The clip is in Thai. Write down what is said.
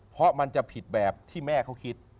เพราะมันจะผิดแบบที่แม่เขาคิด